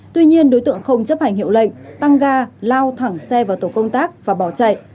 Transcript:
tuy nhiên đối tượng không chấp hành hiệu lệnh tăng ga lao thẳng xe vào tổ công tác và bỏ chạy